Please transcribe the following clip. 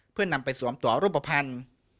เพื่อนำไปสวมตัวรูปภัณฑ์